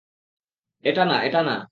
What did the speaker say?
এটা না, এটা না।